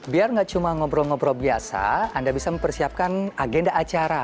biar nggak cuma ngobrol ngobrol biasa anda bisa mempersiapkan agenda acara